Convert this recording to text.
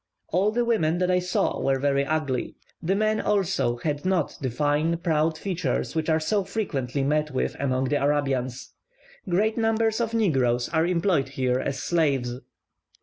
All the women that I saw were very ugly; the men, also, had not the fine, proud features which are so frequently met with among the Arabians. Great numbers of negroes are employed here as slaves.